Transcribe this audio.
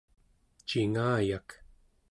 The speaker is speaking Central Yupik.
cingayak